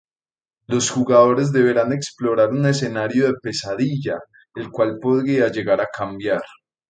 Los jugadores deberán explorar un escenario de pesadilla el cual podría llegar a cambiar.